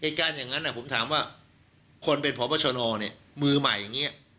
เหตุการณ์อย่างนั้นผมถามว่าคนเป็นพอบอชนมือใหม่อย่างนี้